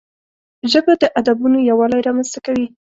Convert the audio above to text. ژبه د ادبونو یووالی رامنځته کوي